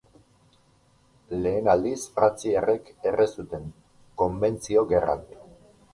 Lehen aldiz frantziarrek erre zuten, Konbentzio Gerran.